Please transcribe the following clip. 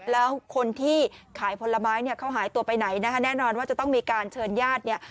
แล้วคนที่ขายผลไม้เนี่ยเขาหายตัวไปไหนนะคะแน่นอนว่าจะต้องมีการเชิญญาติเนี่ย